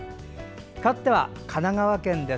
かわっては、神奈川県です。